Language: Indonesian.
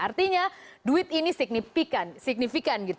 artinya duit ini signifikan